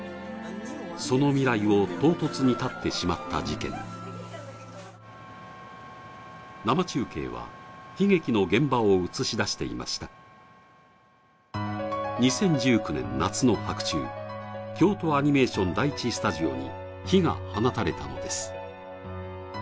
その未来を唐突に絶ってしまった事件生中継は悲劇の現場を映しだしていました２０１９年夏の白昼京都アニメーション第一スタジオに火が放たれたのです